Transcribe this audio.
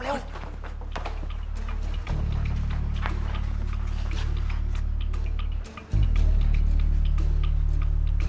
เดี๋ยวจะไปที่ที่ไม่เงียบ